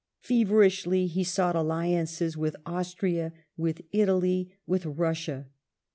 ^ Feverishly he sought alliances with Austria, with Italy, with Russia.